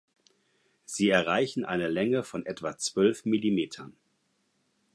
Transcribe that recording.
Sie erreichen eine Länge von etwa zwölf Millimetern.